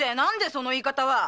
その言い方は！